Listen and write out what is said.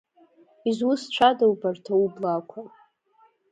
Изустцәада убарҭ аублаақуа?